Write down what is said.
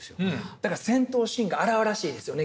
だから戦闘シーンが荒々しいですよね。